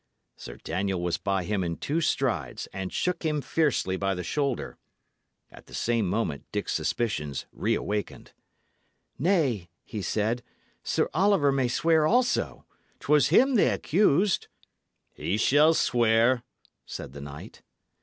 Sir Daniel was by him in two strides, and shook him fiercely by the shoulder. At the same moment Dick's suspicions reawakened. "Nay," he said, "Sir Oliver may swear also. 'Twas him they accused." "He shall swear," said the knight.